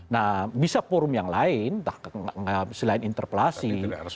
nah bisa forum yang lain selain interpelasi